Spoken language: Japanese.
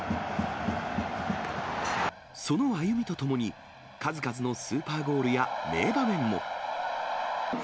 その歩みとともに、数々のスーパーゴールや名場面も。